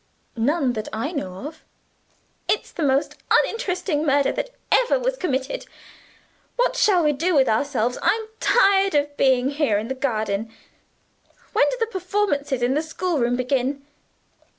"None that I know of." "It's the most uninteresting murder that ever was committed. What shall we do with ourselves? I'm tired of being here in the garden. When do the performances in the schoolroom begin?"